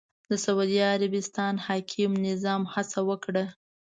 د سعودي عربستان حاکم نظام هڅه وکړه